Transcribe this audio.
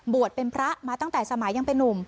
เป็นพระมาตั้งแต่สมัยยังเป็นนุ่ม